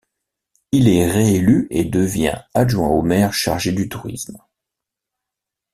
Il est réélu et devient adjoint au maire chargé du tourisme.